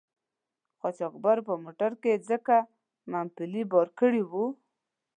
قاچاقبر په موټر کې ځکه مومپلي بار کړي وو.